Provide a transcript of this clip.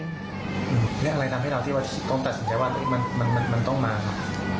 นี่อะไรทำให้เราที่ต้องตัดสัญญาวันมันต้องมาค่ะ